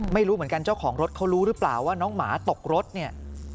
ไม่รู้เหมือนกันเจ้าของรถเขารู้หรือเปล่าว่าน้องหมาตกรถเนี่ย